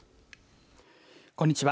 こんにちは。